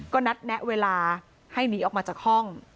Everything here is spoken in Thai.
ก็นัดแนะเวลาให้หนีออกมาจากห้อง